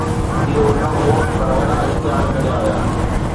اهو نه هو، پر وڏا اشتهار ڪڍيا ويا